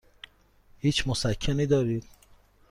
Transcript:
هیچ مسکنی دارید؟